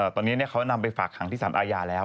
ตอนนี้เขานำไปฝากขังที่สารอาญาแล้ว